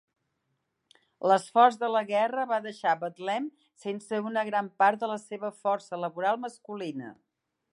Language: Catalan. L'esforç de la guerra va deixar Betlem sense una gran part de la seva força laboral masculina.